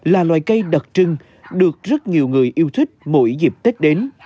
là loài cây đặc trưng được rất nhiều người yêu thích mỗi dịp tết đến